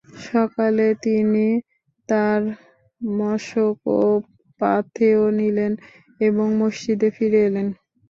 সকালে তিনি তার মশক ও পাথেয় নিলেন এবং মসজিদে ফিরে এলেন।